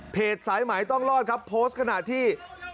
เพจสายใหม่ต้องล้อนครับโพสต์ขนาดที่